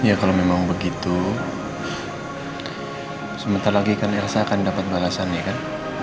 iya kalau memang begitu sementara lagi kan elsa akan dapat balasan ya kan